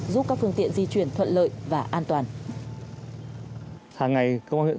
giúp các phương tiện di chuyển thuận lợi và an toàn